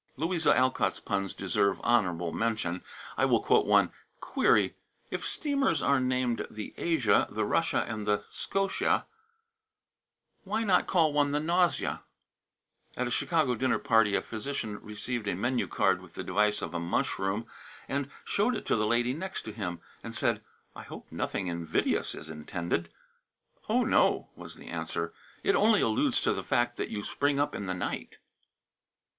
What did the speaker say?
Louisa Alcott's puns deserve "honorable mention." I will quote one. "Query If steamers are named the Asia, the Russia, and the Scotia, why not call one the Nausea?" At a Chicago dinner party a physician received a menu card with the device of a mushroom, and showing it to the lady next him, said: "I hope nothing invidious is intended." "Oh, no," was the answer, "it only alludes to the fact that you spring up in the night."